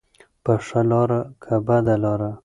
په ښه لاره که بده لاره.